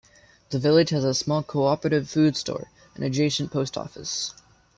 The village has a small Co-operative food store, and adjacent Post office.